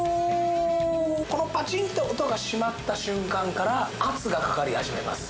このパチンって音が閉まった瞬間から圧がかかり始めます。